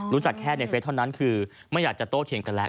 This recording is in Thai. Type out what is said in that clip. แค่ในเฟสเท่านั้นคือไม่อยากจะโต้เถียงกันแล้ว